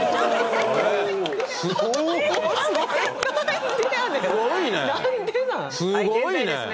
すごいね。